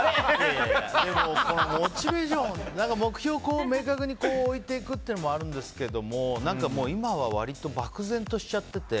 モチベーション、目標を明確に置いていくというのもあるんですけど、今は割と漠然としちゃってて。